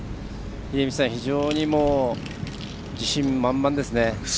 秀道さん、非常に自信満々ですね。